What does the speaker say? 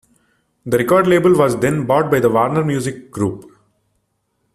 The record label was then bought by the Warner Music Group.